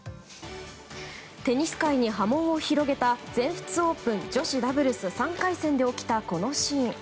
テニス界に波紋を広げた全仏オープン女子ダブルス３回戦で起きたこのシーン。